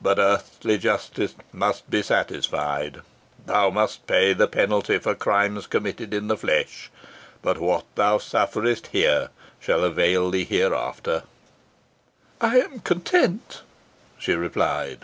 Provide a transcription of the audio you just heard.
But earthly justice must be satisfied. Thou must pay the penalty for crimes committed in the flesh, but what thou sufferest here shall avail thee hereafter." "I am content," she replied.